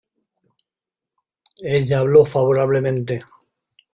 Ella habló favorablemente de su contenido lírico, elogiando específicamente su estribillo.